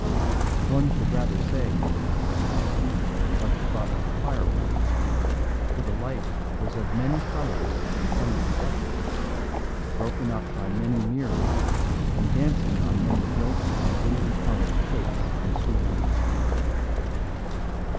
One should rather say, perhaps, like the butt of a firework, for the light was of many colours and some complexity, broken up by many mirrors and dancing on many gilt and gaily coloured cakes and sweetmeats.